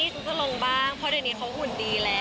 ซุปก็ลงบ้างเพราะเดี๋ยวนี้เขาหุ่นดีแล้ว